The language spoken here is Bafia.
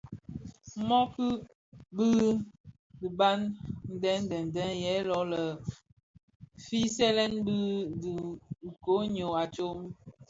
Mōōki dhi a diba deň deň deň yè lō lè fighèlèn fi dhi koň ňyô a tsom.